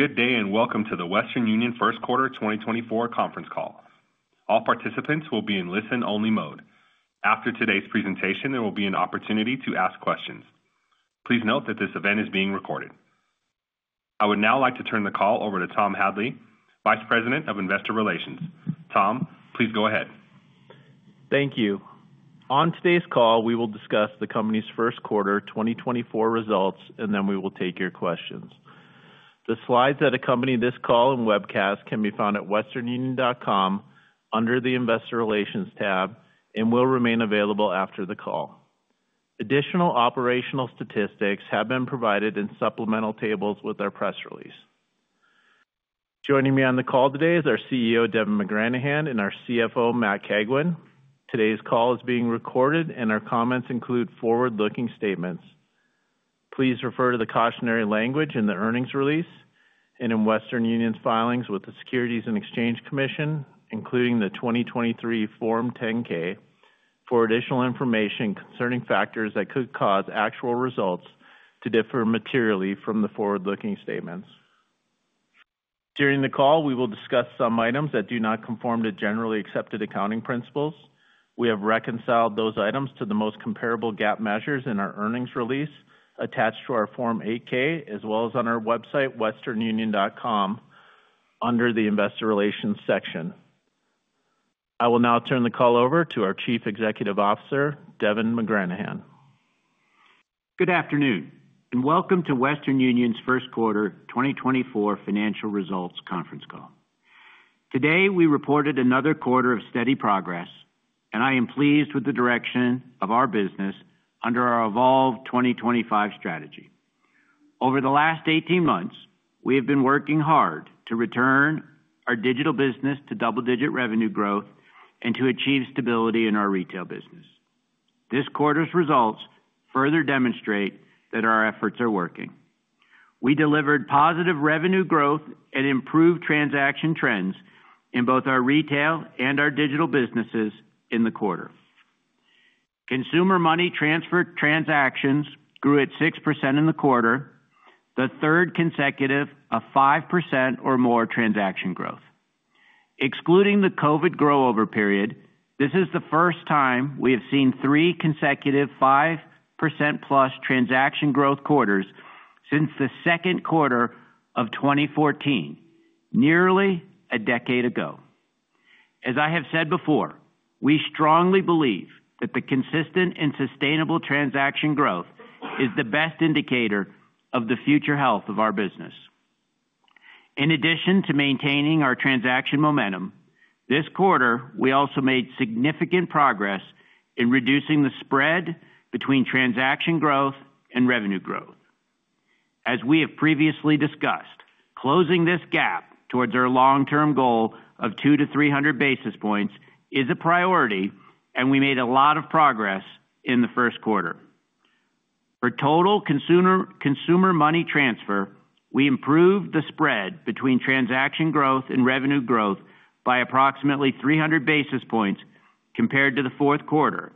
Good day and welcome to the Western Union First Quarter 2024 conference call. All participants will be in listen-only mode. After today's presentation, there will be an opportunity to ask questions. Please note that this event is being recorded. I would now like to turn the call over to Tom Hadley, Vice President of Investor Relations. Tom, please go ahead. Thank you. On today's call, we will discuss the company's first quarter 2024 results, and then we will take your questions. The slides that accompany this call and webcast can be found at westernunion.com under the Investor Relations tab, and will remain available after the call. Additional operational statistics have been provided in supplemental tables with our press release. Joining me on the call today is our CEO, Devin McGranahan, and our CFO, Matt Cagwin. Today's call is being recorded, and our comments include forward-looking statements. Please refer to the cautionary language in the earnings release and in Western Union's filings with the Securities and Exchange Commission, including the 2023 Form 10-K, for additional information concerning factors that could cause actual results to differ materially from the forward-looking statements. During the call, we will discuss some items that do not conform to generally accepted accounting principles. We have reconciled those items to the most comparable GAAP measures in our earnings release attached to our Form 8-K, as well as on our website, westernunion.com, under the Investor Relations section. I will now turn the call over to our Chief Executive Officer, Devin McGranahan. Good afternoon and welcome to Western Union's first quarter 2024 financial results conference call. Today we reported another quarter of steady progress, and I am pleased with the direction of our business under our Evolve 2025 strategy. Over the last 18 months, we have been working hard to return our digital business to double-digit revenue growth and to achieve stability in our retail business. This quarter's results further demonstrate that our efforts are working. We delivered positive revenue growth and improved transaction trends in both our retail and our digital businesses in the quarter. Consumer money transfer transactions grew at 6% in the quarter, the third consecutive of 5% or more transaction growth. Excluding the COVID growover period, this is the first time we have seen three consecutive 5%+ transaction growth quarters since the second quarter of 2014, nearly a decade ago. As I have said before, we strongly believe that the consistent and sustainable transaction growth is the best indicator of the future health of our business. In addition to maintaining our transaction momentum, this quarter we also made significant progress in reducing the spread between transaction growth and revenue growth. As we have previously discussed, closing this gap towards our long-term goal of 200-300 basis points is a priority, and we made a lot of progress in the first quarter. For total consumer money transfer, we improved the spread between transaction growth and revenue growth by approximately 300 basis points compared to the fourth quarter.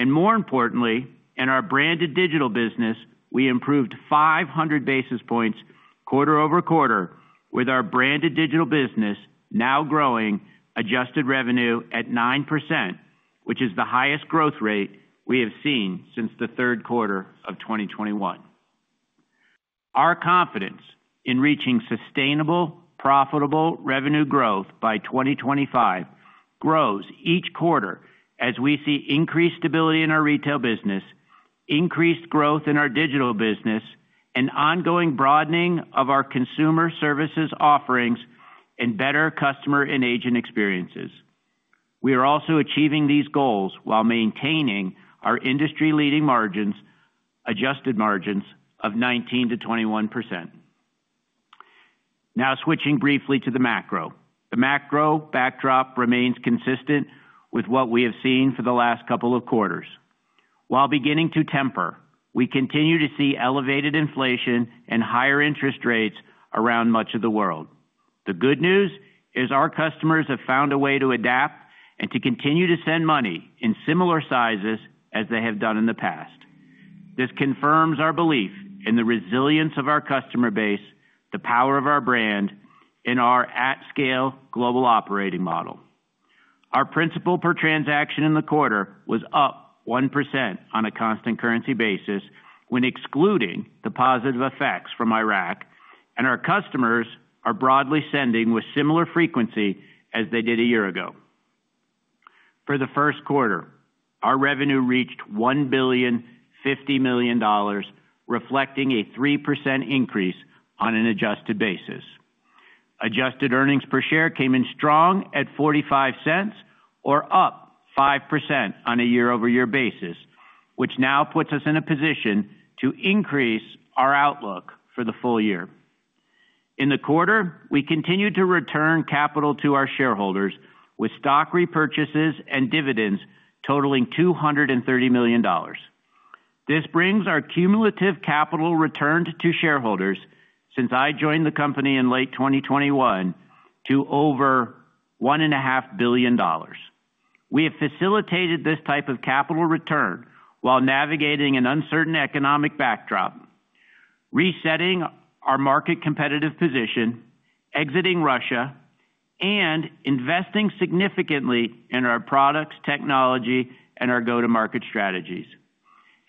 More importantly, in our branded digital business, we improved 500 basis points quarter over quarter, with our branded digital business now growing adjusted revenue at 9%, which is the highest growth rate we have seen since the third quarter of 2021. Our confidence in reaching sustainable, profitable revenue growth by 2025 grows each quarter as we see increased stability in our retail business, increased growth in our digital business, an ongoing broadening of our consumer services offerings, and better customer and agent experiences. We are also achieving these goals while maintaining our industry-leading adjusted margins of 19%-21%. Now switching briefly to the macro. The macro backdrop remains consistent with what we have seen for the last couple of quarters. While beginning to temper, we continue to see elevated inflation and higher interest rates around much of the world. The good news is our customers have found a way to adapt and to continue to send money in similar sizes as they have done in the past. This confirms our belief in the resilience of our customer base, the power of our brand, and our at-scale global operating model. Our principal per transaction in the quarter was up 1% on a constant currency basis when excluding the positive effects from Iraq, and our customers are broadly sending with similar frequency as they did a year ago. For the first quarter, our revenue reached $1.5 billion, reflecting a 3% increase on an adjusted basis. Adjusted earnings per share came in strong at $0.45, or up 5% on a year-over-year basis, which now puts us in a position to increase our outlook for the full year. In the quarter, we continue to return capital to our shareholders with stock repurchases and dividends totaling $230 million. This brings our cumulative capital returned to shareholders since I joined the company in late 2021 to over $1.5 billion. We have facilitated this type of capital return while navigating an uncertain economic backdrop, resetting our market competitive position, exiting Russia, and investing significantly in our products, technology, and our go-to-market strategies.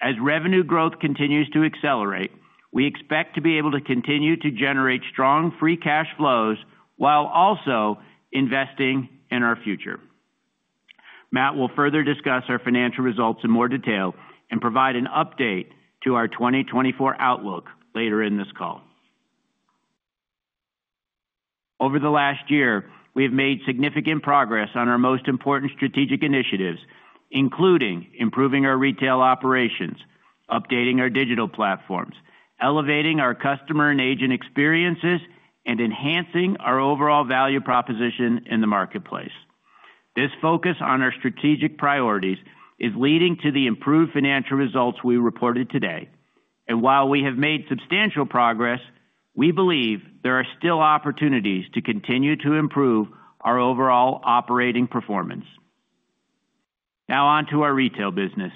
As revenue growth continues to accelerate, we expect to be able to continue to generate strong free cash flows while also investing in our future. Matt will further discuss our financial results in more detail and provide an update to our 2024 outlook later in this call. Over the last year, we have made significant progress on our most important strategic initiatives, including improving our retail operations, updating our digital platforms, elevating our customer and agent experiences, and enhancing our overall value proposition in the marketplace. This focus on our strategic priorities is leading to the improved financial results we reported today. While we have made substantial progress, we believe there are still opportunities to continue to improve our overall operating performance. Now onto our retail business.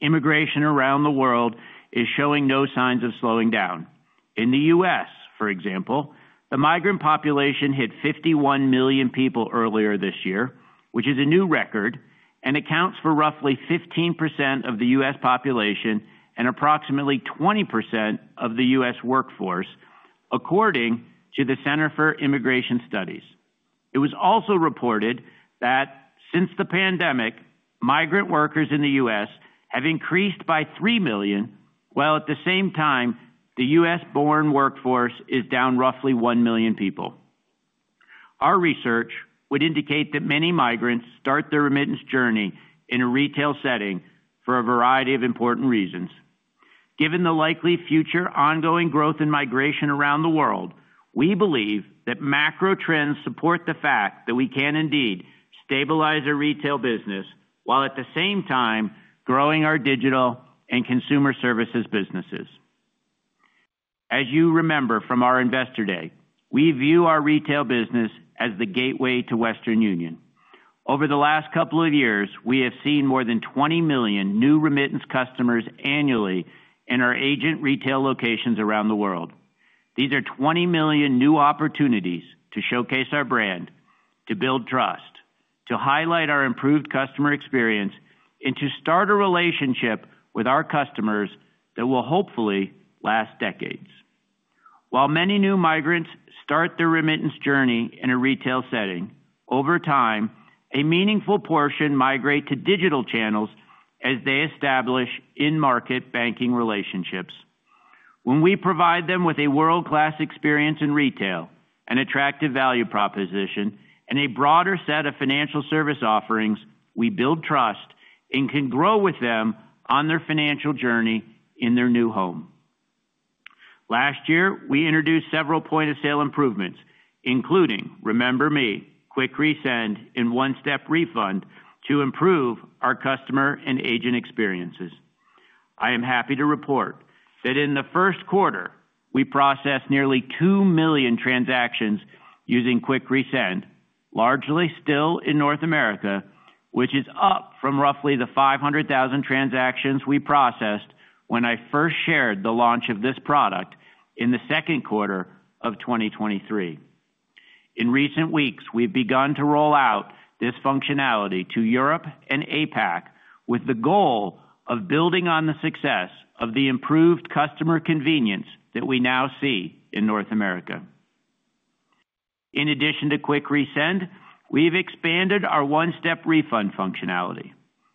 Immigration around the world is showing no signs of slowing down. In the U.S., for example, the migrant population hit 51 million people earlier this year, which is a new record and accounts for roughly 15% of the U.S. population and approximately 20% of the U.S. workforce, according to the Center for Immigration Studies. It was also reported that since the pandemic, migrant workers in the U.S. have increased by 3 million, while at the same time, the U.S.-born workforce is down roughly 1 million people. Our research would indicate that many migrants start their remittance journey in a retail setting for a variety of important reasons. Given the likely future ongoing growth in migration around the world, we believe that macro trends support the fact that we can indeed stabilize our retail business while at the same time growing our digital and consumer services businesses. As you remember from our Investor Day, we view our retail business as the gateway to Western Union. Over the last couple of years, we have seen more than 20 million new remittance customers annually in our agent retail locations around the world. These are 20 million new opportunities to showcase our brand, to build trust, to highlight our improved customer experience, and to start a relationship with our customers that will hopefully last decades. While many new migrants start their remittance journey in a retail setting, over time, a meaningful portion migrate to digital channels as they establish in-market banking relationships. When we provide them with a world-class experience in retail, an attractive value proposition, and a broader set of financial service offerings, we build trust and can grow with them on their financial journey in their new home. Last year, we introduced several point-of-sale improvements, including Remember Me, Quick Resend, and One-Step Refund, to improve our customer and agent experiences. I am happy to report that in the first quarter, we processed nearly 2 million transactions using Quick Resend, largely still in North America, which is up from roughly the 500,000 transactions we processed when I first shared the launch of this product in the second quarter of 2023. In recent weeks, we've begun to roll out this functionality to Europe and APAC with the goal of building on the success of the improved customer convenience that we now see in North America. In addition to Quick Resend, we've expanded our One-Step Refund functionality,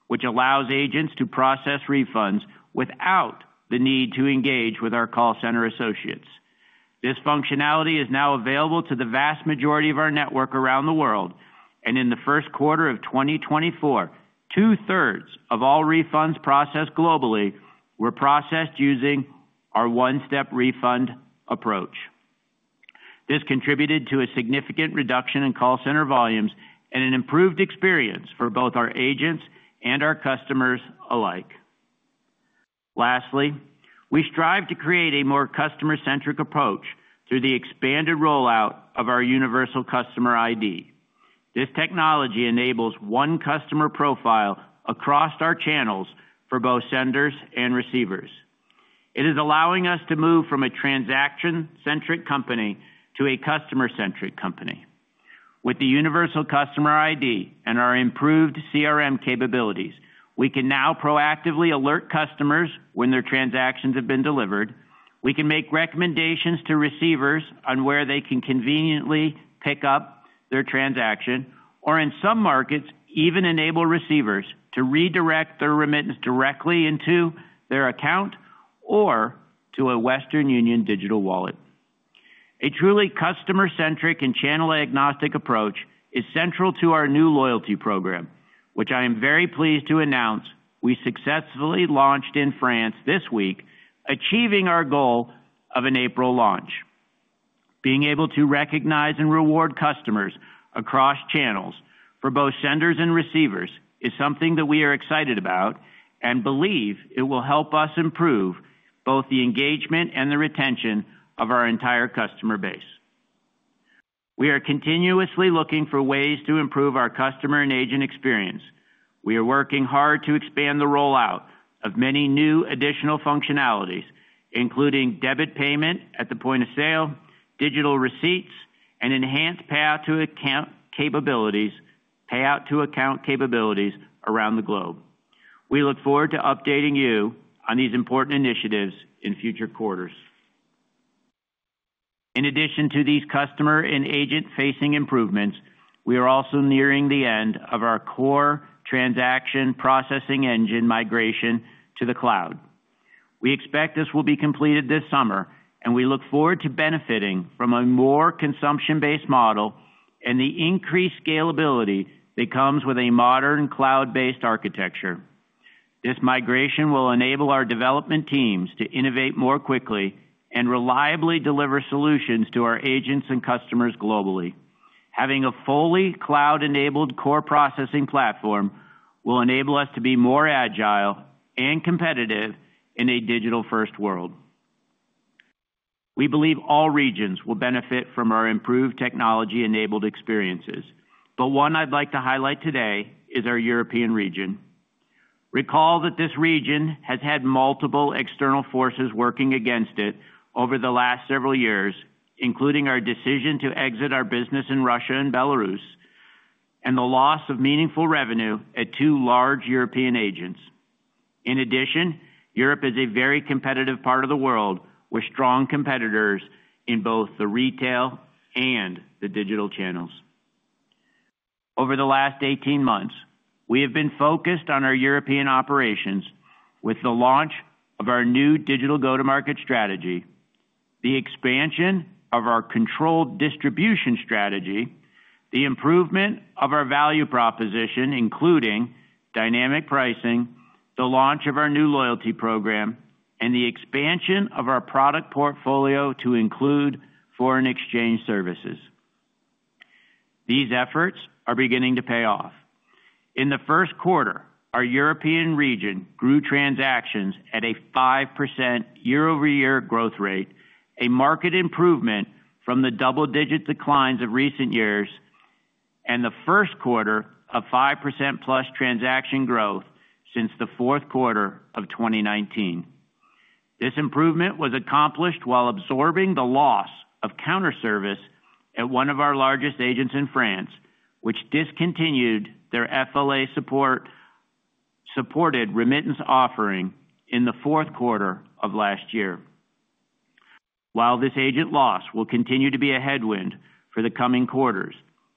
which allows agents to process refunds without the need to engage with our call center associates. This functionality is now available to the vast majority of our network around the world, and in the first quarter of 2024, two-thirds of all refunds processed globally were processed using our One-Step Refund approach. This contributed to a significant reduction in call center volumes and an improved experience for both our agents and our customers alike. Lastly, we strive to create a more customer-centric approach through the expanded rollout of our Universal Customer ID. This technology enables one customer profile across our channels for both senders and receivers. It is allowing us to move from a transaction-centric company to a customer-centric company. With the Universal Customer ID and our improved CRM capabilities, we can now proactively alert customers when their transactions have been delivered. We can make recommendations to receivers on where they can conveniently pick up their transaction, or in some markets, even enable receivers to redirect their remittance directly into their account or to a Western Union digital wallet. A truly customer-centric and channel-agnostic approach is central to our new loyalty program, which I am very pleased to announce we successfully launched in France this week, achieving our goal of an April launch. Being able to recognize and reward customers across channels for both senders and receivers is something that we are excited about and believe it will help us improve both the engagement and the retention of our entire customer base. We are continuously looking for ways to improve our customer and agent experience. We are working hard to expand the rollout of many new additional functionalities, including debit payment at the point of sale, digital receipts, and enhanced payout-to-account capabilities around the globe. We look forward to updating you on these important initiatives in future quarters. In addition to these customer and agent-facing improvements, we are also nearing the end of our core transaction processing engine migration to the cloud. We expect this will be completed this summer, and we look forward to benefiting from a more consumption-based model and the increased scalability that comes with a modern cloud-based architecture. This migration will enable our development teams to innovate more quickly and reliably deliver solutions to our agents and customers globally. Having a fully cloud-enabled core processing platform will enable us to be more agile and competitive in a digital-first world. We believe all regions will benefit from our improved technology-enabled experiences, but one I'd like to highlight today is our European region. Recall that this region has had multiple external forces working against it over the last several years, including our decision to exit our business in Russia and Belarus and the loss of meaningful revenue at two large European agents. In addition, Europe is a very competitive part of the world with strong competitors in both the retail and the digital channels. Over the last 18 months, we have been focused on our European operations with the launch of our new digital go-to-market strategy, the expansion of our controlled distribution strategy, the improvement of our value proposition, including dynamic pricing, the launch of our new loyalty program, and the expansion of our product portfolio to include foreign exchange services. These efforts are beginning to pay off. In the first quarter, our European region grew transactions at a 5% year-over-year growth rate, a market improvement from the double-digit declines of recent years, and the first quarter of 5%+ transaction growth since the fourth quarter of 2019. This improvement was accomplished while absorbing the loss of counter-service at one of our largest agents in France, which discontinued their FLA-supported remittance offering in the fourth quarter of last year. While this agent loss will continue to be a headwind for the coming quarters,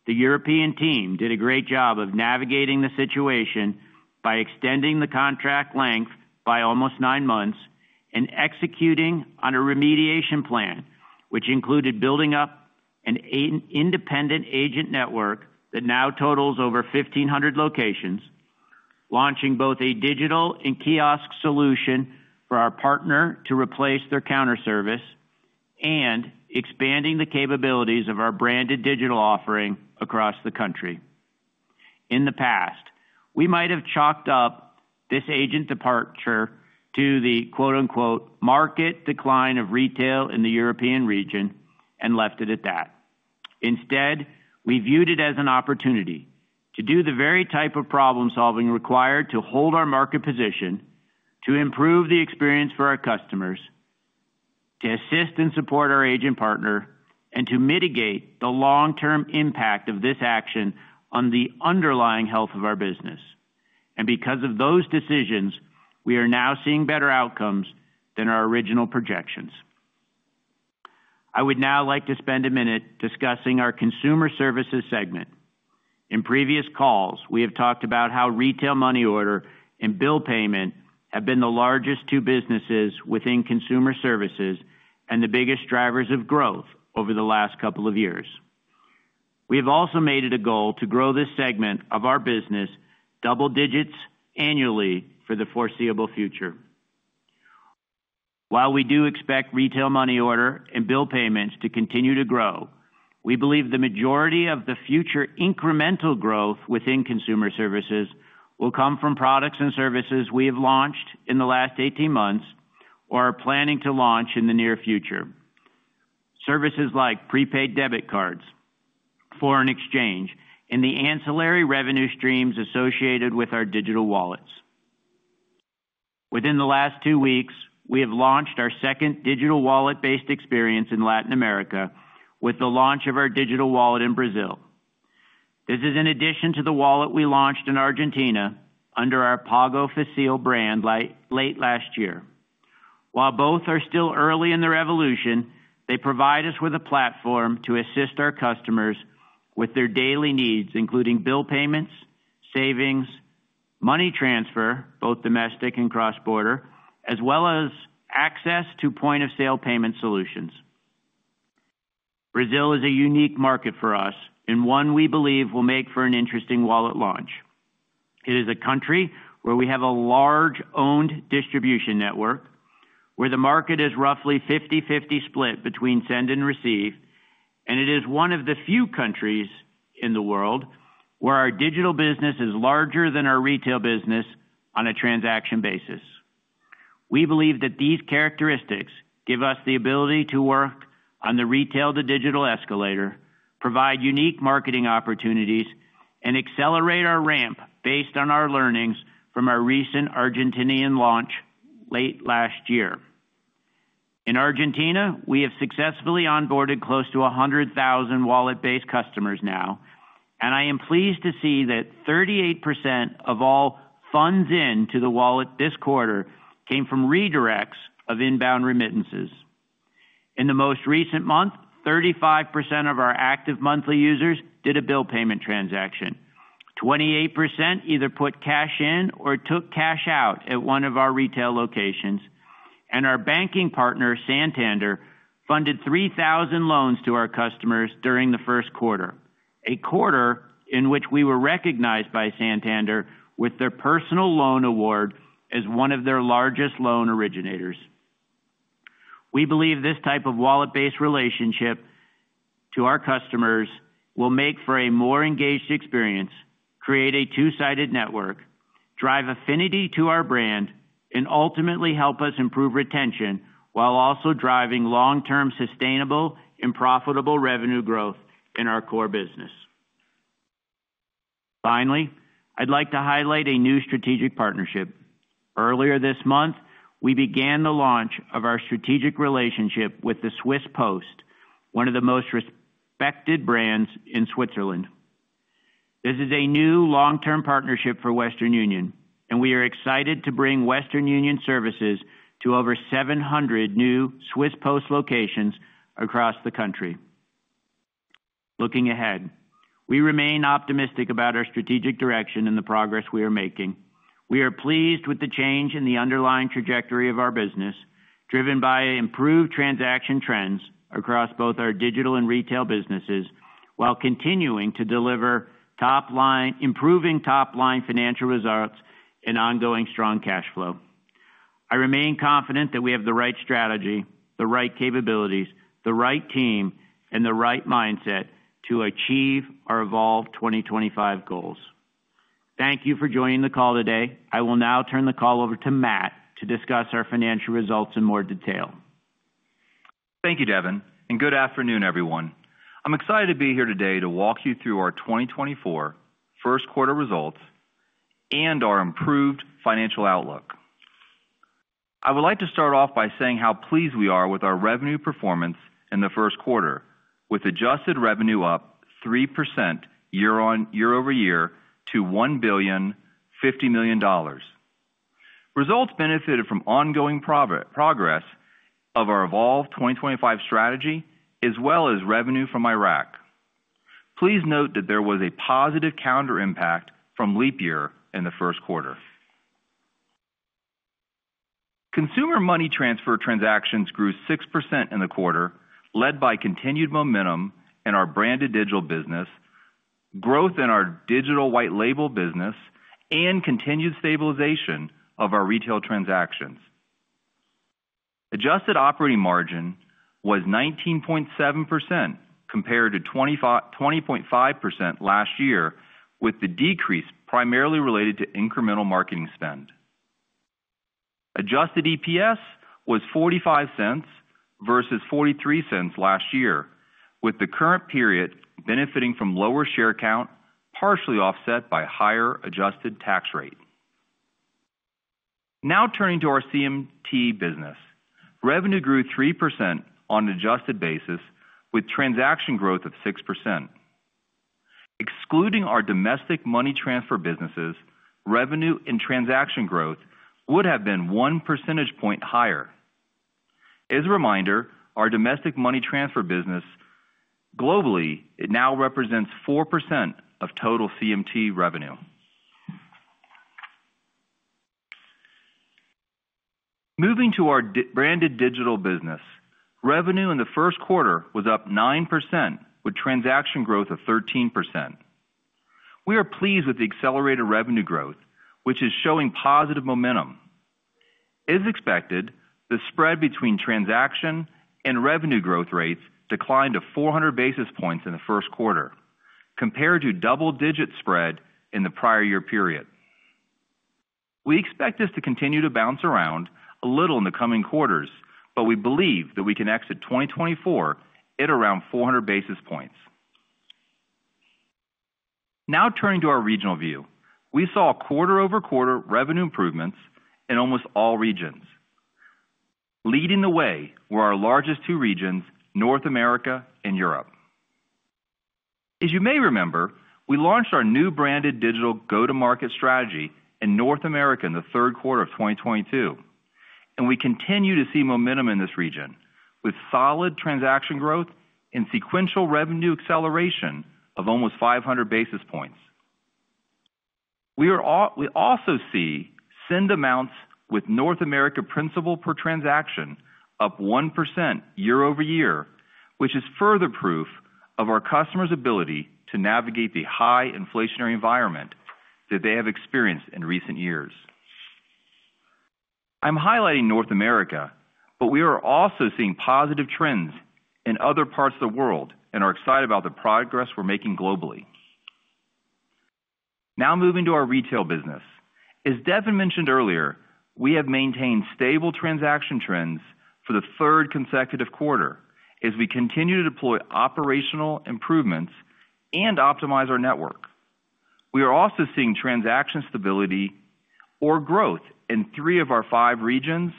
the European team did a great job of navigating the situation by extending the contract length by almost nine months and executing on a remediation plan, which included building up an independent agent network that now totals over 1,500 locations, launching both a digital and kiosk solution for our partner to replace their counter-service, and expanding the capabilities of our branded digital offering across the country. In the past, we might have chalked up this agent departure to the "market decline of retail in the European region" and left it at that. Instead, we viewed it as an opportunity to do the very type of problem-solving required to hold our market position, to improve the experience for our customers, to assist and support our agent partner, and to mitigate the long-term impact of this action on the underlying health of our business. Because of those decisions, we are now seeing better outcomes than our original projections. I would now like to spend a minute discussing our Consumer Services segment. In previous calls, we have talked about how retail money order and bill payment have been the largest two businesses within Consumer Services and the biggest drivers of growth over the last couple of years. We have also made it a goal to grow this segment of our business double digits annually for the foreseeable future. While we do expect retail money order and bill payments to continue to grow, we believe the majority of the future incremental growth within Consumer Services will come from products and services we have launched in the last 18 months or are planning to launch in the near future, services like prepaid debit cards, foreign exchange, and the ancillary revenue streams associated with our digital wallets. Within the last 2 weeks, we have launched our second digital wallet-based experience in Latin America with the launch of our digital wallet in Brazil. This is in addition to the wallet we launched in Argentina under our Pago Fácil brand late last year. While both are still early in their evolution, they provide us with a platform to assist our customers with their daily needs, including bill payments, savings, money transfer both domestic and cross-border, as well as access to point-of-sale payment solutions. Brazil is a unique market for us and one we believe will make for an interesting wallet launch. It is a country where we have a large owned distribution network, where the market is roughly 50/50 split between send and receive, and it is one of the few countries in the world where our digital business is larger than our retail business on a transaction basis. We believe that these characteristics give us the ability to work on the retail-to-digital escalator, provide unique marketing opportunities, and accelerate our ramp based on our learnings from our recent Argentinian launch late last year. In Argentina, we have successfully onboarded close to 100,000 wallet-based customers now, and I am pleased to see that 38% of all funds into the wallet this quarter came from redirects of inbound remittances. In the most recent month, 35% of our active monthly users did a bill payment transaction. 28% either put cash in or took cash out at one of our retail locations, and our banking partner, Santander, funded 3,000 loans to our customers during the first quarter, a quarter in which we were recognized by Santander with their personal loan award as one of their largest loan originators. We believe this type of wallet-based relationship to our customers will make for a more engaged experience, create a two-sided network, drive affinity to our brand, and ultimately help us improve retention while also driving long-term sustainable and profitable revenue growth in our core business. Finally, I'd like to highlight a new strategic partnership. Earlier this month, we began the launch of our strategic relationship with the Swiss Post, one of the most respected brands in Switzerland. This is a new long-term partnership for Western Union, and we are excited to bring Western Union services to over 700 new Swiss Post locations across the country. Looking ahead, we remain optimistic about our strategic direction and the progress we are making. We are pleased with the change in the underlying trajectory of our business, driven by improved transaction trends across both our digital and retail businesses, while continuing to deliver improving top-line financial results and ongoing strong cash flow. I remain confident that we have the right strategy, the right capabilities, the right team, and the right mindset to achieve our Evolve 2025 goals. Thank you for joining the call today. I will now turn the call over to Matt to discuss our financial results in more detail. Thank you, Devin, and good afternoon, everyone. I'm excited to be here today to walk you through our 2024 first quarter results and our improved financial outlook. I would like to start off by saying how pleased we are with our revenue performance in the first quarter, with adjusted revenue up 3% year-over-year to $1.05 billion. Results benefited from ongoing progress of our Evolve 2025 strategy as well as revenue from Iraq. Please note that there was a positive counter-impact from leap year in the first quarter. Consumer money transfer transactions grew 6% in the quarter, led by continued momentum in our branded digital business, growth in our digital white-label business, and continued stabilization of our retail transactions. Adjusted operating margin was 19.7% compared to 20.5% last year, with the decrease primarily related to incremental marketing spend. Adjusted EPS was $0.45 versus $0.43 last year, with the current period benefiting from lower share count partially offset by higher adjusted tax rate. Now turning to our CMT business, revenue grew 3% on an adjusted basis with transaction growth of 6%. Excluding our domestic money transfer businesses, revenue and transaction growth would have been 1 percentage point higher. As a reminder, our domestic money transfer business globally, it now represents 4% of total CMT revenue. Moving to our branded digital business, revenue in the first quarter was up 9% with transaction growth of 13%. We are pleased with the accelerated revenue growth, which is showing positive momentum. As expected, the spread between transaction and revenue growth rates declined to 400 basis points in the first quarter, compared to double-digit spread in the prior year period. We expect this to continue to bounce around a little in the coming quarters, but we believe that we can exit 2024 at around 400 basis points. Now turning to our regional view, we saw quarter-over-quarter revenue improvements in almost all regions, leading the way were our largest two regions, North America and Europe. As you may remember, we launched our new branded digital go-to-market strategy in North America in the third quarter of 2022, and we continue to see momentum in this region with solid transaction growth and sequential revenue acceleration of almost 500 basis points. We also see send amounts with North America principal per transaction up 1% year-over-year, which is further proof of our customers' ability to navigate the high inflationary environment that they have experienced in recent years. I'm highlighting North America, but we are also seeing positive trends in other parts of the world and are excited about the progress we're making globally. Now moving to our retail business. As Devin mentioned earlier, we have maintained stable transaction trends for the third consecutive quarter as we continue to deploy operational improvements and optimize our network. We are also seeing transaction stability or growth in three of our five regions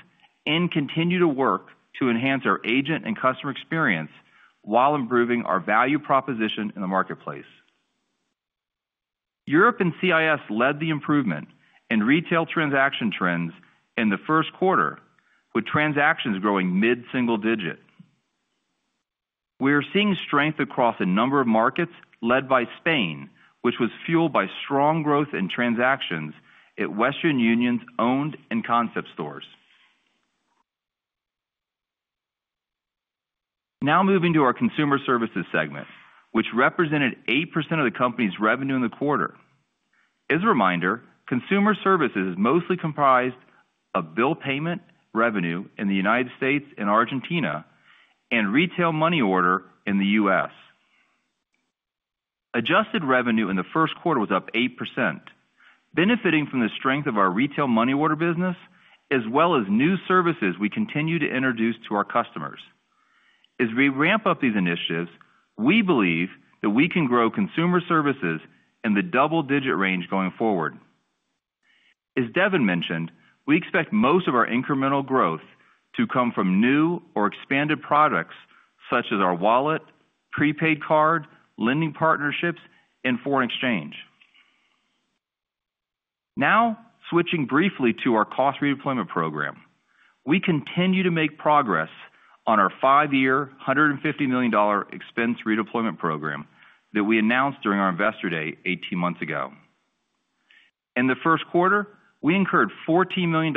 and continue to work to enhance our agent and customer experience while improving our value proposition in the marketplace. Europe and CIS led the improvement in retail transaction trends in the first quarter, with transactions growing mid-single digit. We are seeing strength across a number of markets, led by Spain, which was fueled by strong growth in transactions at Western Union's owned and concept stores. Now moving to our consumer services segment, which represented 8% of the company's revenue in the quarter. As a reminder, consumer services is mostly comprised of bill payment revenue in the United States and Argentina and retail money order in the U.S. Adjusted revenue in the first quarter was up 8%, benefiting from the strength of our retail money order business as well as new services we continue to introduce to our customers. As we ramp up these initiatives, we believe that we can grow consumer services in the double-digit range going forward. As Devin mentioned, we expect most of our incremental growth to come from new or expanded products such as our wallet, prepaid card, lending partnerships, and foreign exchange. Now switching briefly to our cost redeployment program. We continue to make progress on our 5-year $150 million expense redeployment program that we announced during our investor day 18 months ago. In the first quarter, we incurred $14 million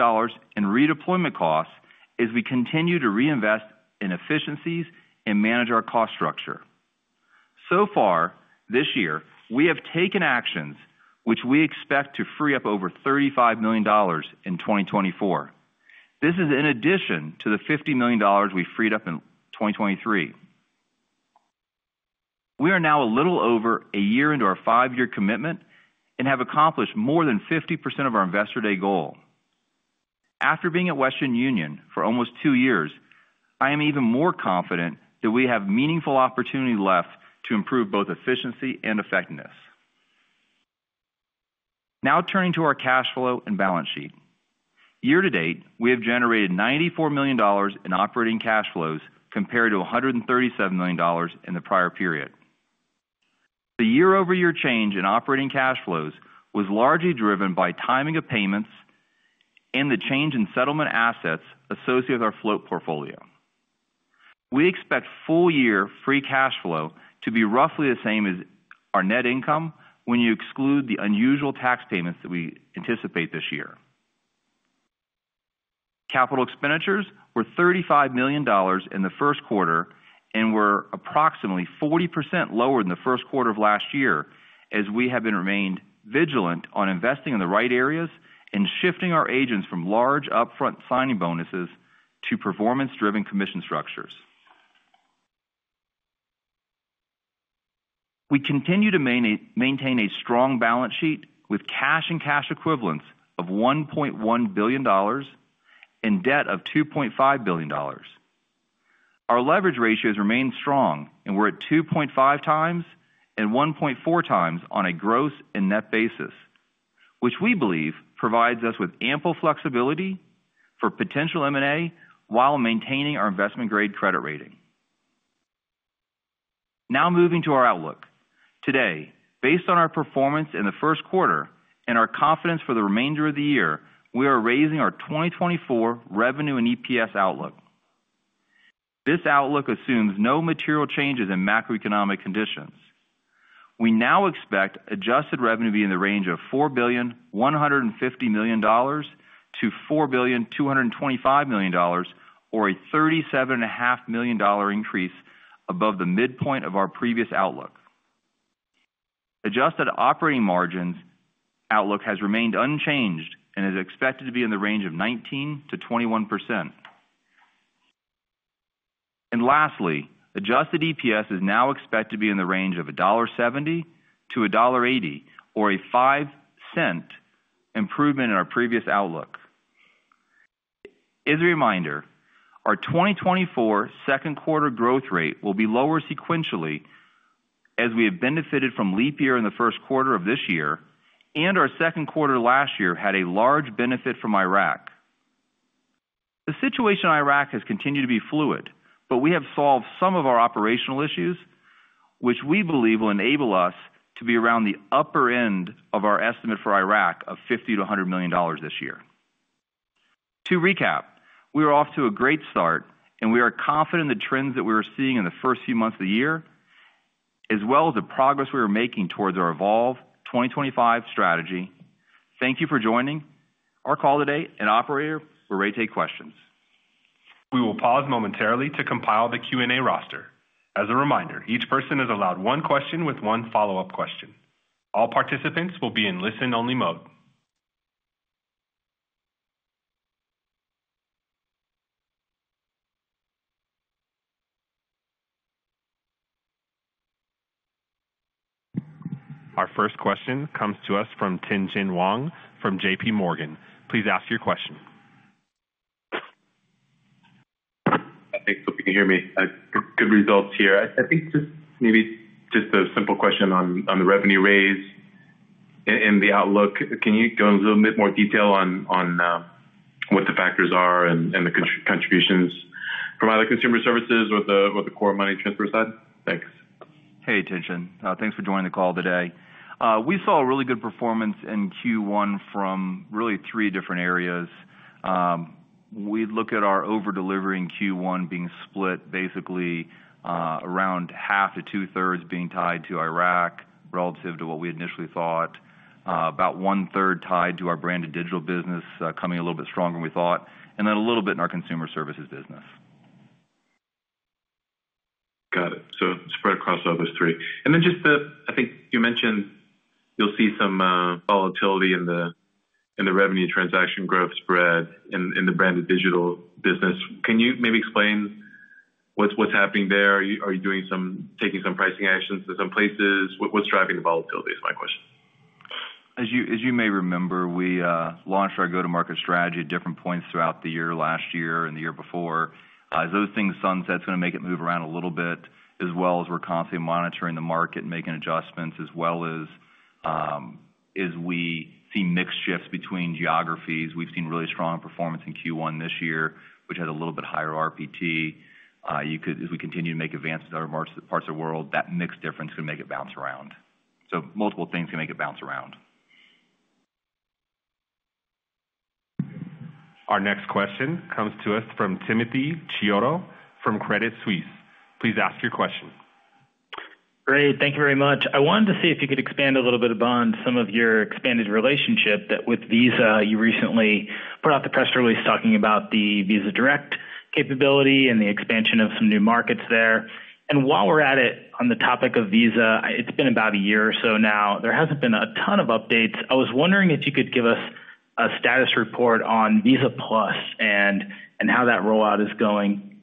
in redeployment costs as we continue to reinvest in efficiencies and manage our cost structure. So far this year, we have taken actions which we expect to free up over $35 million in 2024. This is in addition to the $50 million we freed up in 2023. We are now a little over a year into our 5-year commitment and have accomplished more than 50% of our investor day goal. After being at Western Union for almost 2 years, I am even more confident that we have meaningful opportunity left to improve both efficiency and effectiveness. Now turning to our cash flow and balance sheet. Year to date, we have generated $94 million in operating cash flows compared to $137 million in the prior period. The year-over-year change in operating cash flows was largely driven by timing of payments and the change in settlement assets associated with our float portfolio. We expect full-year free cash flow to be roughly the same as our net income when you exclude the unusual tax payments that we anticipate this year. Capital expenditures were $35 million in the first quarter and were approximately 40% lower than the first quarter of last year as we have remained vigilant on investing in the right areas and shifting our agents from large upfront signing bonuses to performance-driven commission structures. We continue to maintain a strong balance sheet with cash and cash equivalents of $1.1 billion and debt of $2.5 billion. Our leverage ratios remain strong and we're at 2.5x and 1.4x on a gross and net basis, which we believe provides us with ample flexibility for potential M&A while maintaining our investment-grade credit rating. Now moving to our outlook. Today, based on our performance in the first quarter and our confidence for the remainder of the year, we are raising our 2024 revenue and EPS outlook. This outlook assumes no material changes in macroeconomic conditions. We now expect adjusted revenue to be in the range of $4.15 billion-$4.225 billion, or a $37.5 million increase above the midpoint of our previous outlook. Adjusted operating margins outlook has remained unchanged and is expected to be in the range of 19%-21%. Lastly, adjusted EPS is now expected to be in the range of $1.70-$1.80, or a $0.05 improvement in our previous outlook. As a reminder, our 2024 second quarter growth rate will be lower sequentially as we have benefited from leap year in the first quarter of this year, and our second quarter last year had a large benefit from Iraq. The situation in Iraq has continued to be fluid, but we have solved some of our operational issues, which we believe will enable us to be around the upper end of our estimate for Iraq of $50-$100 million this year. To recap, we are off to a great start, and we are confident in the trends that we were seeing in the first few months of the year, as well as the progress we were making towards our Evolve 2025 strategy. Thank you for joining our call today, and operator, we're ready to take questions. We will pause momentarily to compile the Q&A roster. As a reminder, each person is allowed one question with one follow-up question. All participants will be in listen-only mode. Our first question comes to us from Tien-Tsin Huang from J.P. Morgan. Please ask your question. I think, hope you can hear me. Good results here. I think just maybe just a simple question on the revenue raise and the outlook. Can you go into a little bit more detail on what the factors are and the contributions from either consumer services or the core money transfer side? Thanks. Hey, Tien-Tsin Huang. Thanks for joining the call today. We saw a really good performance in Q1 from really three different areas. We'd look at our overdelivery in Q1 being split basically around half to two-thirds being tied to Iraq relative to what we initially thought, about one-third tied to our Branded Digital Business coming a little bit stronger than we thought, and then a little bit in our Consumer Services business. Got it. So spread across all those three. And then just, I think, you mentioned you'll see some volatility in the revenue transaction growth spread in the branded digital business. Can you maybe explain what's happening there? Are you taking some pricing actions in some places? What's driving the volatility is my question. As you may remember, we launched our go-to-market strategy at different points throughout the year last year and the year before. As those things sunset, it's going to make it move around a little bit, as well as we're constantly monitoring the market and making adjustments, as well as as we see mixed shifts between geographies. We've seen really strong performance in Q1 this year, which had a little bit higher RPT. As we continue to make advances in other parts of the world, that mixed difference can make it bounce around. So multiple things can make it bounce around. Our next question comes to us from Timothy Chiodo from Credit Suisse. Please ask your question. Great. Thank you very much. I wanted to see if you could expand a little bit upon some of your expanded relationship that with Visa, you recently put out the press release talking about the Visa Direct capability and the expansion of some new markets there. And while we're at it on the topic of Visa, it's been about a year or so now. There hasn't been a ton of updates. I was wondering if you could give us a status report on Visa Plus and how that rollout is going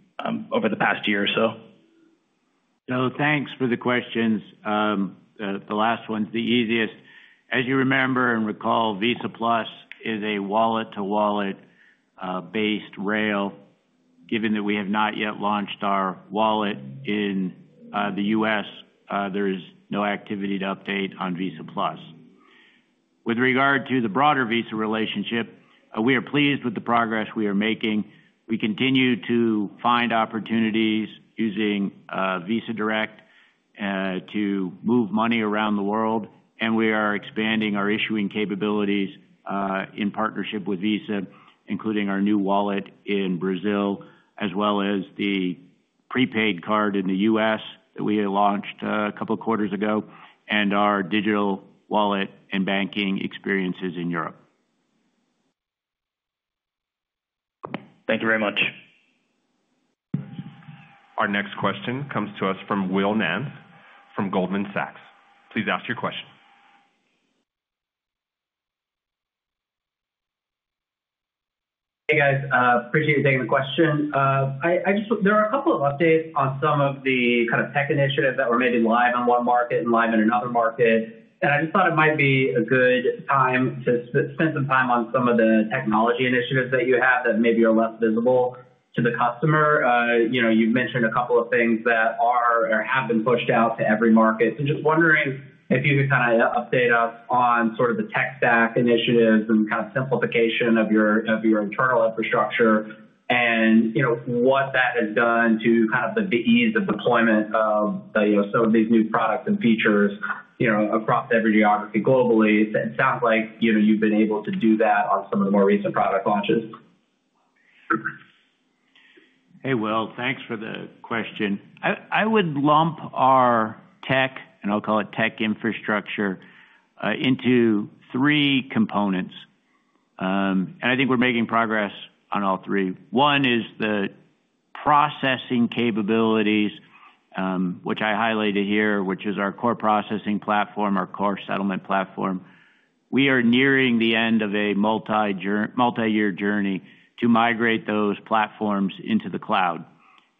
over the past year or so. Thanks for the questions. The last one's the easiest. As you remember and recall, Visa Plus is a wallet-to-wallet-based rail. Given that we have not yet launched our wallet in the U.S., there is no activity to update on Visa Plus. With regard to the broader Visa relationship, we are pleased with the progress we are making. We continue to find opportunities using Visa Direct to move money around the world, and we are expanding our issuing capabilities in partnership with Visa, including our new wallet in Brazil, as well as the prepaid card in the U.S. that we launched a couple of quarters ago, and our digital wallet and banking experiences in Europe. Thank you very much. Our next question comes to us from Will Nance from Goldman Sachs. Please ask your question. Hey guys. Appreciate you taking the question. There are a couple of updates on some of the kind of tech initiatives that were maybe live in one market and live in another market, and I just thought it might be a good time to spend some time on some of the technology initiatives that you have that maybe are less visible to the customer. You've mentioned a couple of things that have been pushed out to every market. So just wondering if you could kind of update us on sort of the tech stack initiatives and kind of simplification of your internal infrastructure and what that has done to kind of the ease of deployment of some of these new products and features across every geography globally. It sounds like you've been able to do that on some of the more recent product launches. Hey Will, thanks for the question. I would lump our tech, and I'll call it tech infrastructure, into three components. I think we're making progress on all three. One is the processing capabilities, which I highlighted here, which is our core processing platform, our core settlement platform. We are nearing the end of a multi-year journey to migrate those platforms into the cloud.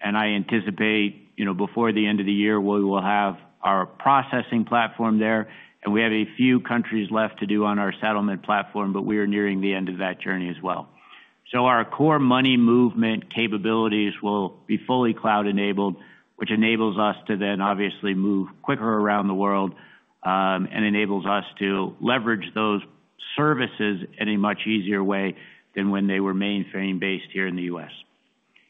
I anticipate before the end of the year, we will have our processing platform there, and we have a few countries left to do on our settlement platform, but we are nearing the end of that journey as well. Our core money movement capabilities will be fully cloud-enabled, which enables us to then obviously move quicker around the world and enables us to leverage those services in a much easier way than when they were mainframe-based here in the U.S.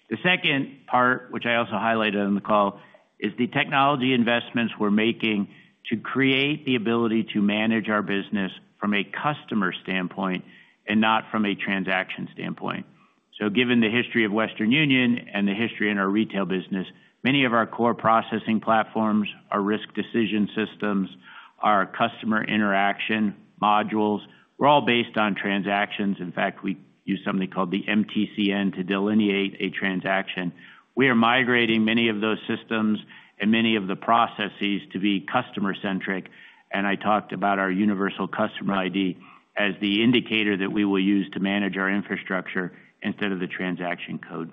The second part, which I also highlighted on the call, is the technology investments we're making to create the ability to manage our business from a customer standpoint and not from a transaction standpoint. So given the history of Western Union and the history in our retail business, many of our core processing platforms, our risk decision systems, our customer interaction modules, we're all based on transactions. In fact, we use something called the MTCN to delineate a transaction. We are migrating many of those systems and many of the processes to be customer-centric, and I talked about our Universal Customer ID as the indicator that we will use to manage our infrastructure instead of the transaction code.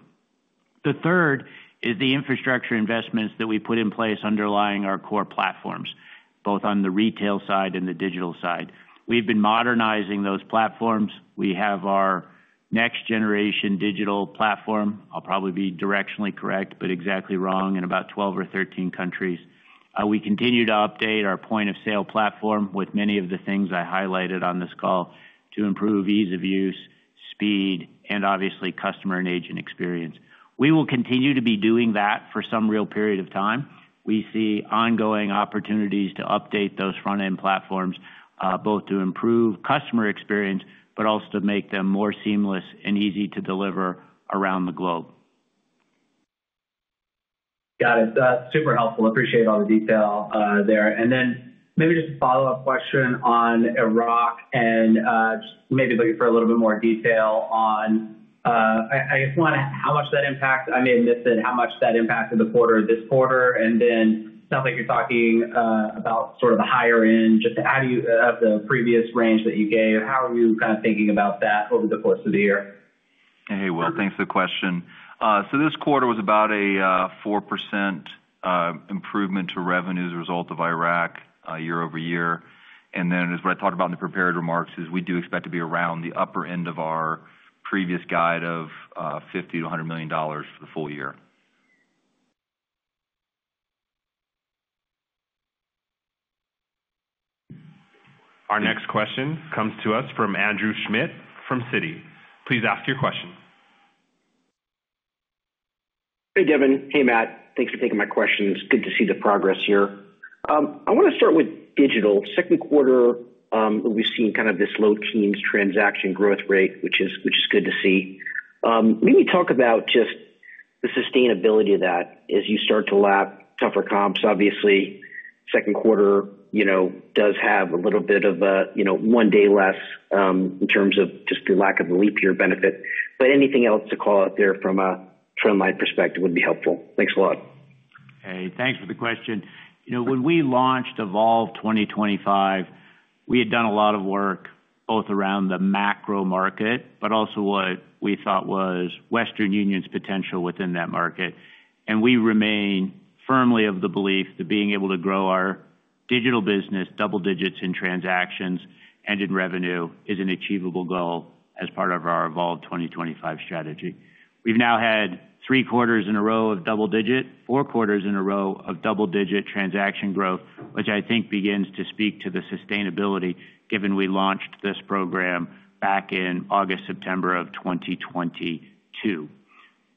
The third is the infrastructure investments that we put in place underlying our core platforms, both on the retail side and the digital side. We've been modernizing those platforms. We have our next-generation digital platform. I'll probably be directionally correct, but exactly wrong in about 12 or 13 countries. We continue to update our point-of-sale platform with many of the things I highlighted on this call to improve ease of use, speed, and obviously customer and agent experience. We will continue to be doing that for some real period of time. We see ongoing opportunities to update those front-end platforms, both to improve customer experience, but also to make them more seamless and easy to deliver around the globe. Got it. Super helpful. Appreciate all the detail there. And then maybe just a follow-up question on Iraq and maybe looking for a little bit more detail on, I guess, how much that impacts. I may have missed it, how much that impacted the quarter this quarter. And then it sounds like you're talking about sort of the higher-end. Just how do you of the previous range that you gave, how are you kind of thinking about that over the course of the year? Hey Will, thanks for the question. So this quarter was about a 4% improvement to revenue as a result of Iraq year-over-year. And then as I talked about in the prepared remarks, is we do expect to be around the upper end of our previous guide of $50-$100 million for the full year. Our next question comes to us from Andrew Schmidt from Citi. Please ask your question. Hey Devin. Hey Matt. Thanks for taking my questions. Good to see the progress here. I want to start with digital. Second quarter, we've seen kind of this low teens transaction growth rate, which is good to see. Let me talk about just the sustainability of that as you start to lap tougher comps. Obviously, second quarter does have a little bit of a one day less in terms of just the lack of the leap year benefit. But anything else to call out there from a trendline perspective would be helpful. Thanks a lot. Hey, thanks for the question. When we launched Evolve 2025, we had done a lot of work both around the macro market, but also what we thought was Western Union's potential within that market. And we remain firmly of the belief that being able to grow our digital business double digits in transactions and in revenue is an achievable goal as part of our Evolve 2025 strategy. We've now had three quarters in a row of double digit, four quarters in a row of double digit transaction growth, which I think begins to speak to the sustainability given we launched this program back in August, September of 2022.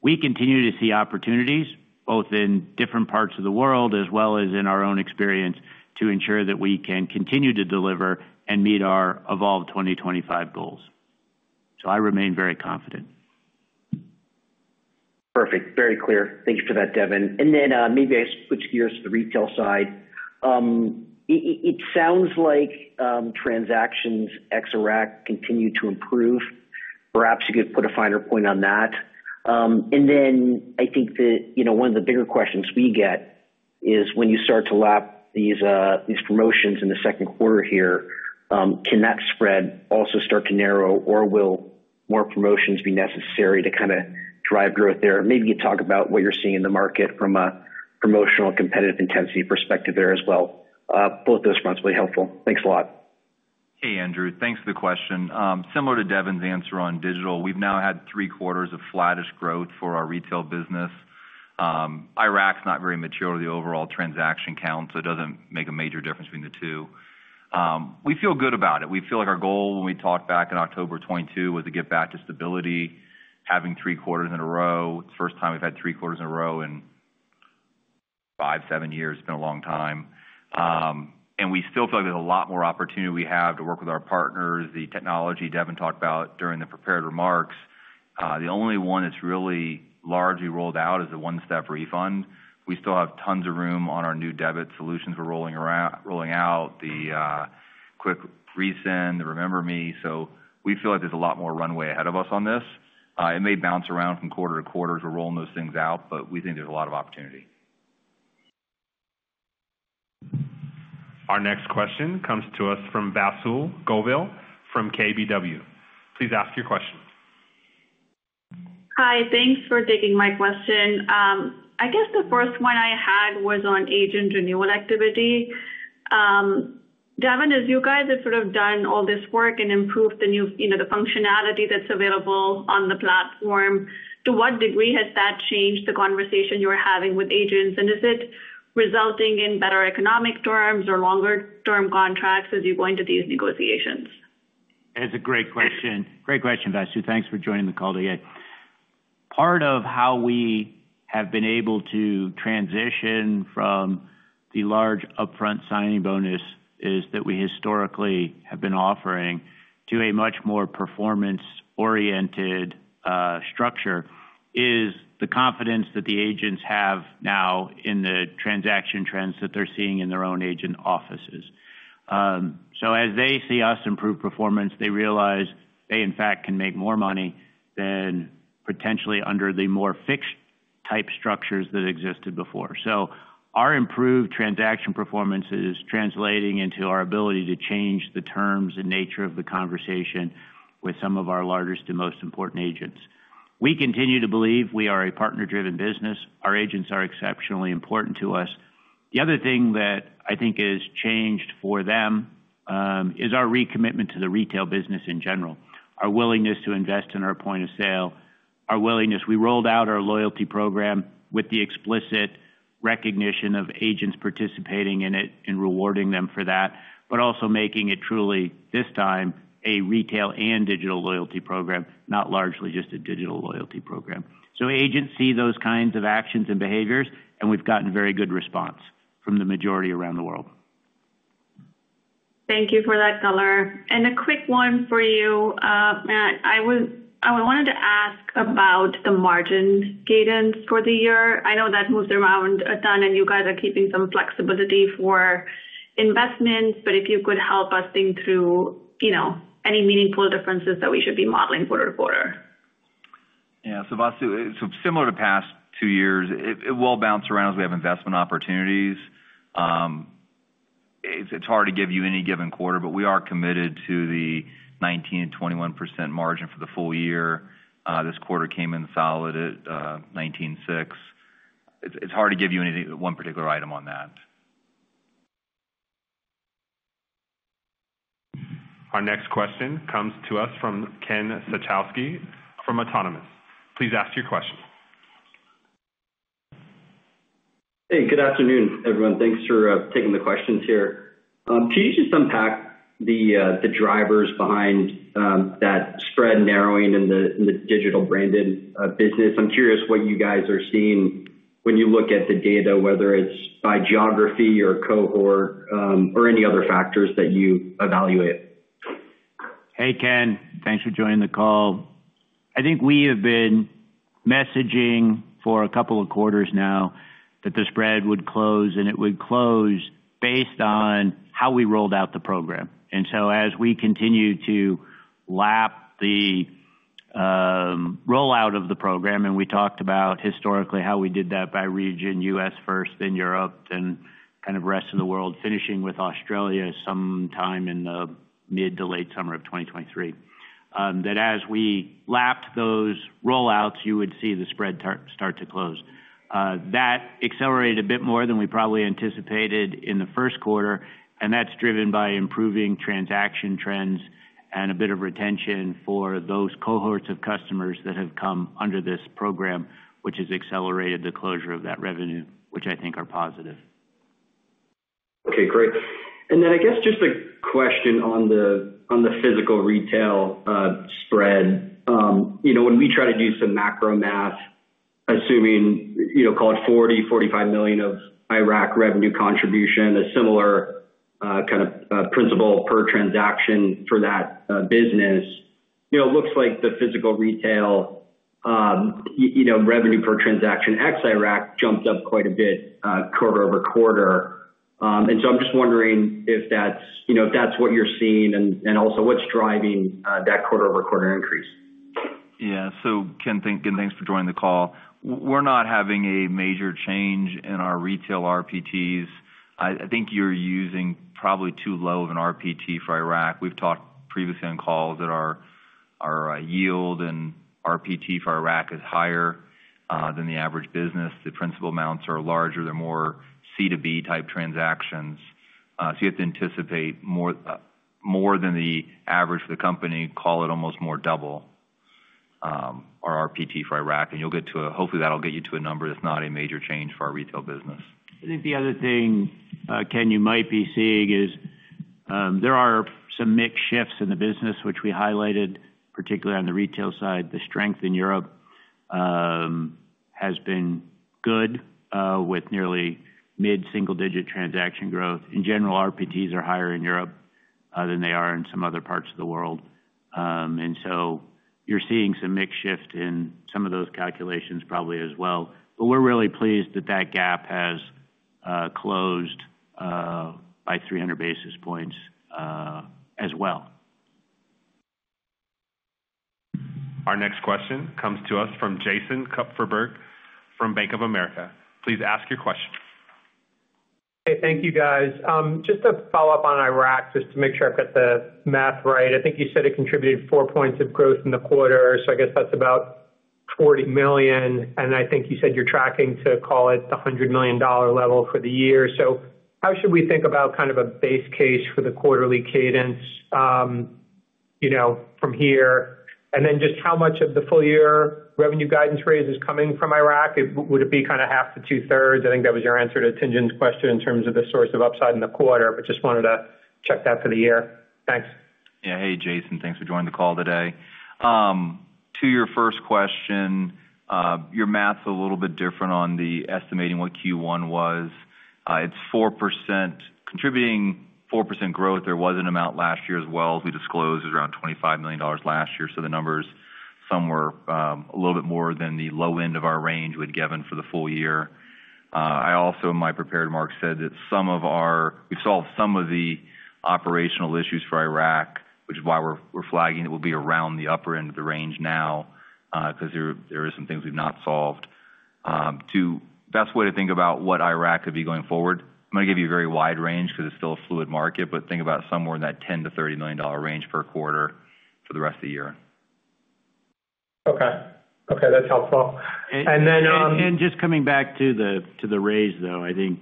We continue to see opportunities both in different parts of the world as well as in our own experience to ensure that we can continue to deliver and meet our Evolve 2025 goals. So I remain very confident. Perfect. Very clear. Thank you for that, Devin. And then maybe I switch gears to the retail side. It sounds like transactions ex-Iraq continue to improve. Perhaps you could put a finer point on that. And then I think that one of the bigger questions we get is when you start to lap these promotions in the second quarter here, can that spread also start to narrow or will more promotions be necessary to kind of drive growth there? Maybe you talk about what you're seeing in the market from a promotional competitive intensity perspective there as well. Both those fronts would be helpful. Thanks a lot. Hey Andrew. Thanks for the question. Similar to Devin's answer on digital, we've now had three quarters of flattest growth for our retail business. Iraq's not very mature to the overall transaction count, so it doesn't make a major difference between the two. We feel good about it. We feel like our goal when we talked back in October 2022 was to get back to stability, having three quarters in a row. It's the first time we've had three quarters in a row in five, seven years. It's been a long time. And we still feel like there's a lot more opportunity we have to work with our partners, the technology Devin talked about during the prepared remarks. The only one that's really largely rolled out is the One-Step Refund. We still have tons of room on our new debit solutions we're rolling out, the Quick Resend, the Remember Me. We feel like there's a lot more runway ahead of us on this. It may bounce around from quarter to quarter as we're rolling those things out, but we think there's a lot of opportunity. Our next question comes to us from Vasu Govil from KBW. Please ask your question. Hi. Thanks for taking my question. I guess the first one I had was on agent renewal activity. Devin, as you guys have sort of done all this work and improved the functionality that's available on the platform, to what degree has that changed the conversation you're having with agents? And is it resulting in better economic terms or longer-term contracts as you go into these negotiations? That's a great question. Great question, Basul. Thanks for joining the call today. Part of how we have been able to transition from the large upfront signing bonus that we historically have been offering to a much more performance-oriented structure is the confidence that the agents have now in the transaction trends that they're seeing in their own agent offices. So as they see us improve performance, they realize they, in fact, can make more money than potentially under the more fixed-type structures that existed before. So our improved transaction performance is translating into our ability to change the terms and nature of the conversation with some of our largest and most important agents. We continue to believe we are a partner-driven business. Our agents are exceptionally important to us. The other thing that I think has changed for them is our recommitment to the retail business in general, our willingness to invest in our point of sale, our willingness we rolled out our loyalty program with the explicit recognition of agents participating in it and rewarding them for that, but also making it truly, this time, a retail and digital loyalty program, not largely just a digital loyalty program. So agents see those kinds of actions and behaviors, and we've gotten very good response from the majority around the world. Thank you for that, Govil. A quick one for you. I wanted to ask about the margin cadence for the year. I know that moves around a ton, and you guys are keeping some flexibility for investments, but if you could help us think through any meaningful differences that we should be modeling quarter to quarter. Yeah. So Basul, similar to past two years, it will bounce around as we have investment opportunities. It's hard to give you any given quarter, but we are committed to the 19%-21% margin for the full year. This quarter came in solid at 19.6%. It's hard to give you any one particular item on that. Our next question comes to us from Ken Suchoski from Autonomous. Please ask your question. Hey. Good afternoon, everyone. Thanks for taking the questions here. Can you just unpack the drivers behind that spread narrowing in the digital branded business? I'm curious what you guys are seeing when you look at the data, whether it's by geography or cohort or any other factors that you evaluate. Hey Ken. Thanks for joining the call. I think we have been messaging for a couple of quarters now that the spread would close, and it would close based on how we rolled out the program. And so as we continue to lap the rollout of the program, and we talked about historically how we did that by region, U.S. first, then Europe, then kind of rest of the world, finishing with Australia sometime in the mid to late summer of 2023, that as we lapped those rollouts, you would see the spread start to close. That accelerated a bit more than we probably anticipated in the first quarter, and that's driven by improving transaction trends and a bit of retention for those cohorts of customers that have come under this program, which has accelerated the closure of that revenue, which I think are positive. Okay. Great. And then I guess just a question on the physical retail spread. When we try to do some macro math, assuming call it $40-$45 million of Iraq revenue contribution, a similar kind of principal per transaction for that business, it looks like the physical retail revenue per transaction ex-Iraq jumped up quite a bit quarter-over-quarter. And so I'm just wondering if that's what you're seeing and also what's driving that quarter-over-quarter increase. Yeah. So Ken, thanks for joining the call. We're not having a major change in our retail RPTs. I think you're using probably too low of an RPT for Iraq. We've talked previously on calls that our yield and RPT for Iraq is higher than the average business. The principal amounts are larger. They're more C to B type transactions. So you have to anticipate more than the average for the company, call it almost more double, our RPT for Iraq. And you'll get to a hopefully, that'll get you to a number that's not a major change for our retail business. I think the other thing, Ken, you might be seeing is there are some mixed shifts in the business, which we highlighted, particularly on the retail side. The strength in Europe has been good with nearly mid single-digit transaction growth. In general, RPTs are higher in Europe than they are in some other parts of the world. And so you're seeing some mixed shift in some of those calculations probably as well. But we're really pleased that that gap has closed by 300 basis points as well. Our next question comes to us from Jason Kupferberg from Bank of America. Please ask your question. Hey, thank you, guys. Just to follow up on Iraq, just to make sure I've got the math right. I think you said it contributed 4 points of growth in the quarter. So I guess that's about $40 million. And I think you said you're tracking to call it the $100 million level for the year. So how should we think about kind of a base case for the quarterly cadence from here? And then just how much of the full-year revenue guidance raise is coming from Iraq? Would it be kind of half to two-thirds? I think that was your answer to Tien-Tsin's question in terms of the source of upside in the quarter, but just wanted to check that for the year. Thanks. Yeah. Hey, Jason. Thanks for joining the call today. To your first question, your math's a little bit different on the estimating what Q1 was. It's 4% contributing 4% growth. There was an amount last year as well as we disclosed is around $25 million last year. So the numbers somewhere a little bit more than the low end of our range we had given for the full year. I also, in my prepared remarks, said that some of our we've solved some of the operational issues for Iraq, which is why we're flagging it will be around the upper end of the range now because there are some things we've not solved. The best way to think about what Iraq could be going forward, I'm going to give you a very wide range because it's still a fluid market, but think about somewhere in that $10 million-$30 million range per quarter for the rest of the year. Okay. Okay. That's helpful. And then. Just coming back to the raise, though, I think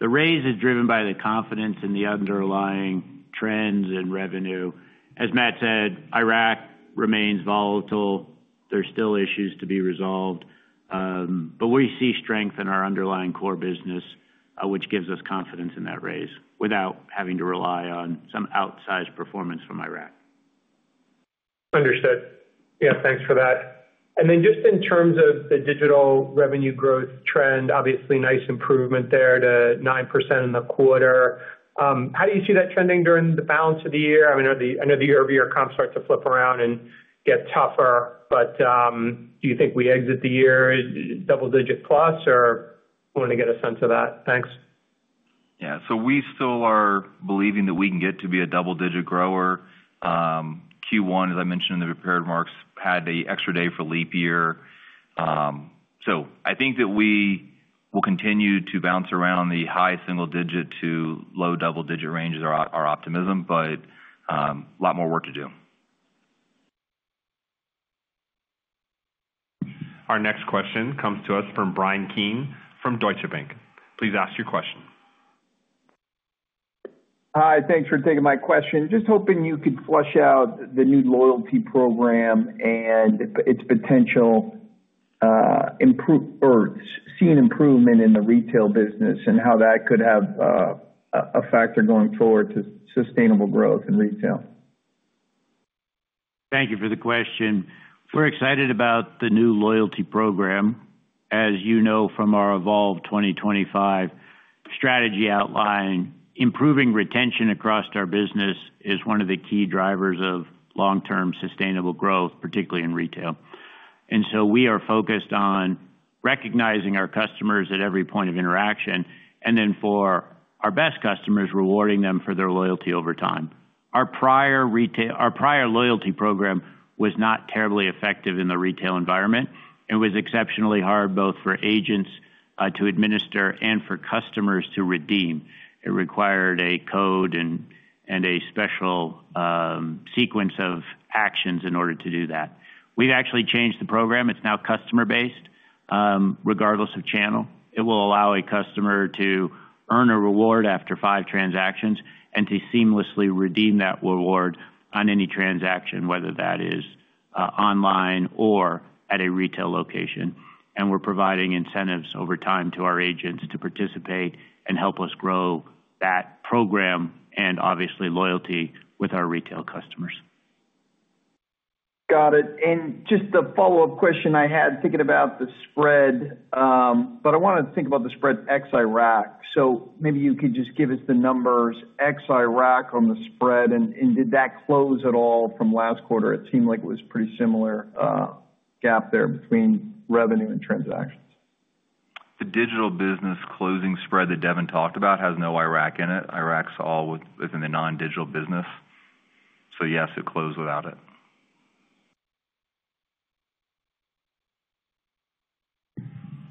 the raise is driven by the confidence in the underlying trends and revenue. As Matt said, Iraq remains volatile. There's still issues to be resolved. But we see strength in our underlying core business, which gives us confidence in that raise without having to rely on some outsized performance from Iraq. Understood. Yeah. Thanks for that. And then just in terms of the digital revenue growth trend, obviously, nice improvement there to 9% in the quarter. How do you see that trending during the balance of the year? I mean, I know the earlier comp starts to flip around and get tougher, but do you think we exit the year double-digit plus or want to get a sense of that? Thanks. Yeah. So we still are believing that we can get to be a double-digit grower. Q1, as I mentioned in the prepared remarks, had the extra day for leap year. So I think that we will continue to bounce around the high single-digit to low double-digit range is our optimism, but a lot more work to do. Our next question comes to us from Bryan Keane from Deutsche Bank. Please ask your question. Hi. Thanks for taking my question. Just hoping you could flesh out the new loyalty program and its potential, seeing improvement in the retail business, and how that could be a factor going forward to sustainable growth in retail. Thank you for the question. We're excited about the new loyalty program. As you know from our Evolve 2025 strategy outline, improving retention across our business is one of the key drivers of long-term sustainable growth, particularly in retail. And so we are focused on recognizing our customers at every point of interaction and then for our best customers, rewarding them for their loyalty over time. Our prior loyalty program was not terribly effective in the retail environment. It was exceptionally hard both for agents to administer and for customers to redeem. It required a code and a special sequence of actions in order to do that. We've actually changed the program. It's now customer-based regardless of channel. It will allow a customer to earn a reward after five transactions and to seamlessly redeem that reward on any transaction, whether that is online or at a retail location. We're providing incentives over time to our agents to participate and help us grow that program and obviously loyalty with our retail customers. Got it. And just the follow-up question I had, thinking about the spread, but I want to think about the spread ex-Iraq. So maybe you could just give us the numbers ex-Iraq on the spread, and did that close at all from last quarter? It seemed like it was a pretty similar gap there between revenue and transactions. The digital business closing spread that Devin talked about has no Iraq in it. Iraq's all within the non-digital business. So yes, it closed without it.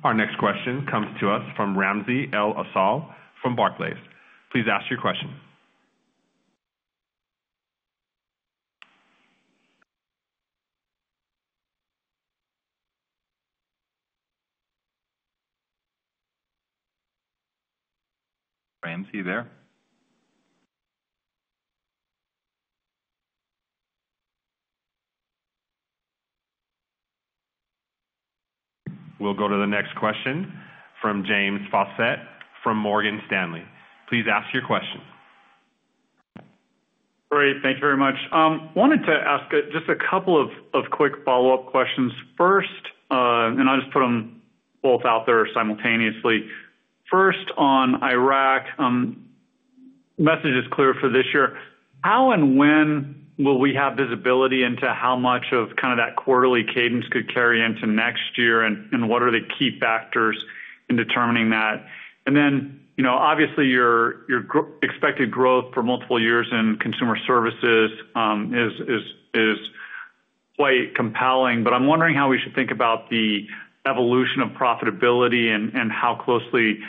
Our next question comes to us from Ramsey El-Assal from Barclays. Please ask your question. Ramsey, you there? We'll go to the next question from James Faucette from Morgan Stanley. Please ask your question. Great. Thank you very much. Wanted to ask just a couple of quick follow-up questions first, and I'll just put them both out there simultaneously. First on Iraq, message is clear for this year. How and when will we have visibility into how much of kind of that quarterly cadence could carry into next year, and what are the key factors in determining that? And then obviously, your expected growth for multiple years in consumer services is quite compelling, but I'm wondering how we should think about the evolution of profitability and how closely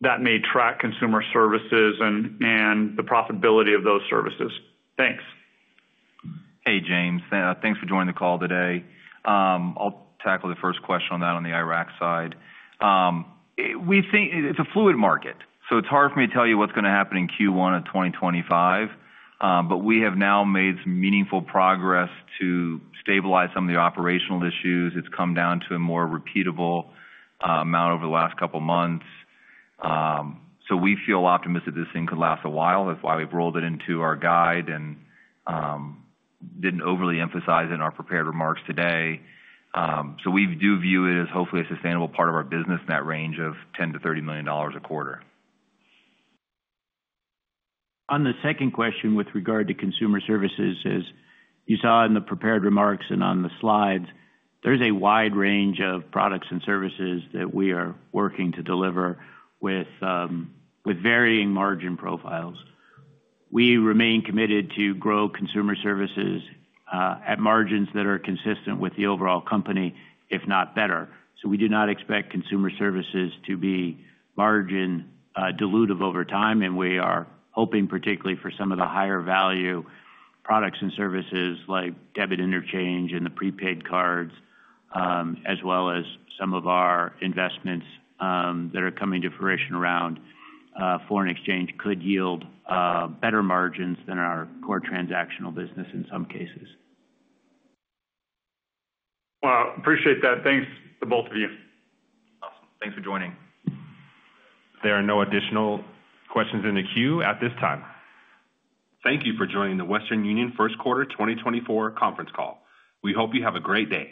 that may track consumer services and the profitability of those services. Thanks. Hey, James. Thanks for joining the call today. I'll tackle the first question on that on the Iraq side. We think it's a fluid market. So it's hard for me to tell you what's going to happen in Q1 of 2025. But we have now made some meaningful progress to stabilize some of the operational issues. It's come down to a more repeatable amount over the last couple of months. So we feel optimistic this thing could last a while. That's why we've rolled it into our guide and didn't overly emphasize it in our prepared remarks today. So we do view it as hopefully a sustainable part of our business in that range of $10-$30 million a quarter. On the second question with regard to consumer services, as you saw in the prepared remarks and on the slides, there's a wide range of products and services that we are working to deliver with varying margin profiles. We remain committed to grow consumer services at margins that are consistent with the overall company, if not better. So we do not expect consumer services to be margin dilutive over time, and we are hoping particularly for some of the higher value products and services like debit interchange and the prepaid cards, as well as some of our investments that are coming to fruition around foreign exchange could yield better margins than our core transactional business in some cases. Well, appreciate that. Thanks to both of you. Awesome. Thanks for joining. There are no additional questions in the queue at this time. Thank you for joining the Western Union first quarter 2024 conference call. We hope you have a great day.